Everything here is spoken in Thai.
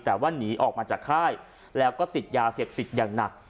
แต่ว่าหนีออกมาจากค่ายแล้วก็ติดยาเสพติดอย่างหนัก